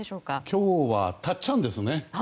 今日はたっちゃんですね。